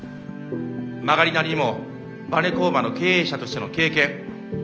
曲がりなりにもバネ工場の経営者としての経験